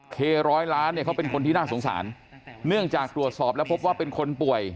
เคร้อยล้านเนี่ยเขาเป็นคนที่น่าสงสารเนื่องจากตรวจสอบแล้วพบว่าเป็นคนป่วย